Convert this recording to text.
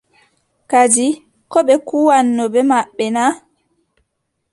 Kadi koo ɓe kuwanno bee maɓɓe na ?